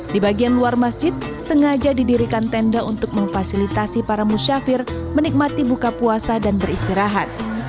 di bagian luar masjid sengaja didirikan tenda untuk memfasilitasi para musyafir menikmati buka puasa dan beristirahat